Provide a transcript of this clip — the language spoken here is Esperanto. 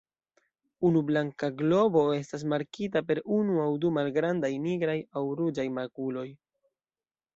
Unu blanka globo estas markita per unu aŭ du malgrandaj nigraj aŭ ruĝaj makuloj.